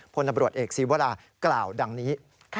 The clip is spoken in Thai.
พลตำรวจเอกศีวรากล่าวดังนี้